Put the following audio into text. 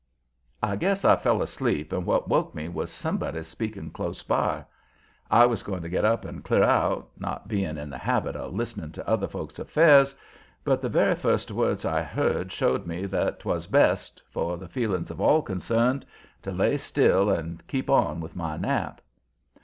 I guess I fell asleep, and what woke me was somebody speaking close by. I was going to get up and clear out, not being in the habit of listening to other folks' affairs, but the very first words I heard showed me that 'twas best, for the feelings of all concerned, to lay still and keep on with my nap.